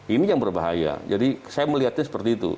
ini yang berbahaya jadi saya melihatnya seperti itu